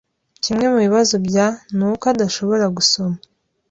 Kimwe mubibazo bya nuko adashobora gusoma.